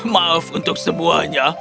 maaf untuk semuanya